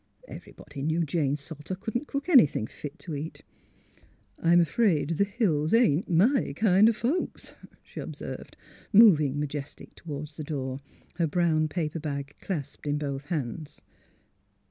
Everybody knew Jane Salter couldn't cook anything fit to eat. '* I'm afraid the Hills ain't my kind o' folks," she observed, moving majestic toward the door, her brown paper bag clasped in both hands.